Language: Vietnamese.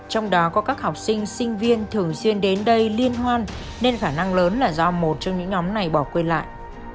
trong đó có các học sinh sinh viên thường xuyên đến đây liên hoan nên khả năng lớn là do một trong những nhóm này bỏ quên lại